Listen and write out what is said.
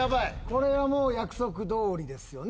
これはもう約束どおりですよね。